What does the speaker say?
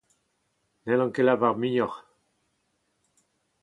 N'hallan ket lavar muioc'h